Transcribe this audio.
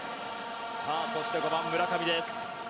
そして、５番、村上です。